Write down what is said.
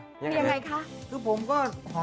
เพราะว่าใจแอบในเจ้า